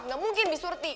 gak mungkin bisurti